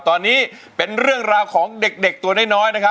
ตอนนี้เป็นเรื่องราวของเด็กตัวน้อยนะครับ